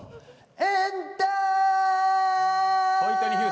「エンダー」